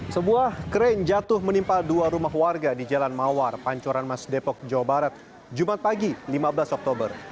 sebuah kren jatuh menimpa dua rumah warga di jalan mawar pancoran mas depok jawa barat jumat pagi lima belas oktober